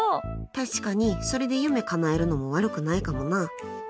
確かに、それで夢かなえるのも悪くないかもな。